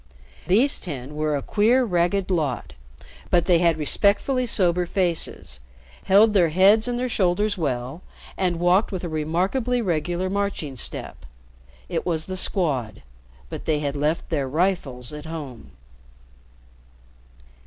These ten were a queer, ragged lot; but they had respectfully sober faces, held their heads and their shoulders well, and walked with a remarkably regular marching step. It was the Squad; but they had left their "rifles" at home.